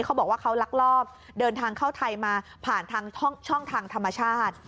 เขาบอกว่าเขาลักลอบเดินทางเข้าไทยมาผ่านทางช่องทางธรรมชาติ